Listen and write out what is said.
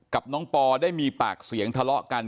กับน้องปอได้มีปากเสียงทะเลาะกัน